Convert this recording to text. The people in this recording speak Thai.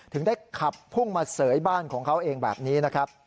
ถึงได้ขับพุ่งมาเสยบ้านของเขาเองแบบนี้นะครับ